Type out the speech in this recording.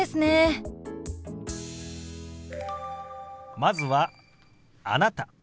まずは「あなた」。